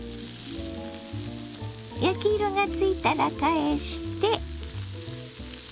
焼き色がついたら返して。